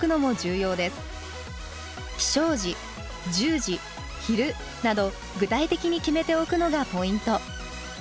起床時１０時昼など具体的に決めておくのがポイント。